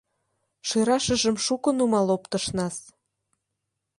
Шӱрашыжым шуко нумал оптышнас.